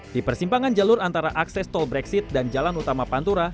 di persimpangan jalur antara akses tol brexit dan jalan utama pantura